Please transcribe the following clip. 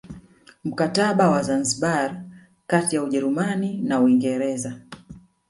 Mkataba wa Zanzibar kati ya Ujerumani na Uingereza